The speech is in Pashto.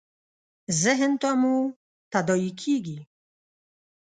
ذهن ته مو تداعي کېږي .